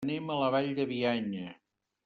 Anem a la Vall de Bianya.